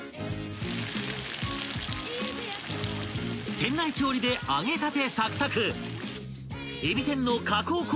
［店内調理で揚げたてサクサク］